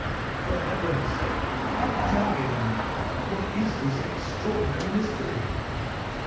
"For Heaven's sake, tell me, then, what is this extraordinary mystery!"